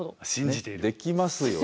ねっできますよね？